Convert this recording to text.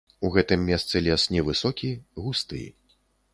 У гэтым месцы лес не высокі, густы.